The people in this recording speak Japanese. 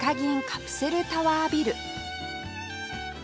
カプセルタワービル